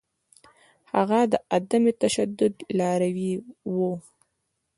هغه د عدم تشدد لاروی و.